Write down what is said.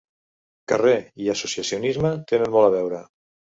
Carrer i associacionisme tenen molt a veure.